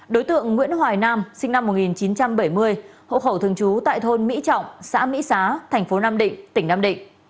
đối tượng nguyễn hoài nam sinh năm một nghìn chín trăm bảy mươi hộ khẩu thường trú tại thôn mỹ trọng xã mỹ xá thành phố nam định tỉnh nam định